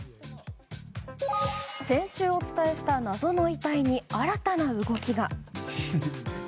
先週お伝えした謎の遺体に新たな動きが。